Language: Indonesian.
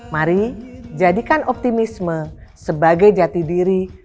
mari jadikan optimisme sebagai jati diri